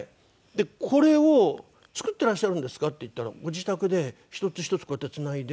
「これを作っていらっしゃるんですか？」って言ったらご自宅で１つ１つこうやってつないで。